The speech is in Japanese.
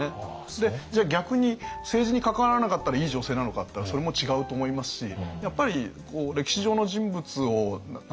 でじゃあ逆に政治に関わらなかったらいい女性なのかっていったらそれも違うと思いますしやっぱり歴史上の人物を何て言うんでしょう。